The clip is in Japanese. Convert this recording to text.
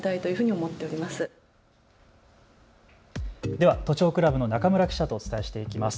では都庁クラブの中村記者とお伝えしていきます。